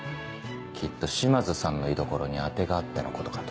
きっと島津さんの居所に当てがあってのことかと。